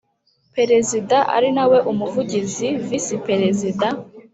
Perezida ari nawe umuvugizi visi perezida